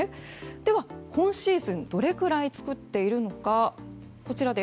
では、今シーズンどれくらい作っているのか。